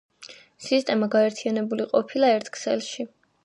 სისტემა გაერთიანებული ყოფილა ერთ ქსელში.